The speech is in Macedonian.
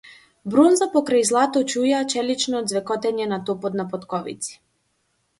Бронза покрај злато чуја челично ѕвекотење на топот на потковици.